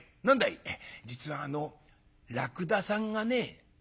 「実はあのらくださんがね」。